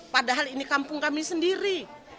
padahal ini kampung kami sendiri